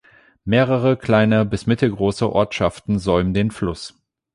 Mehrere kleine bis mittelgroße Ortschaften säumen den Fluss.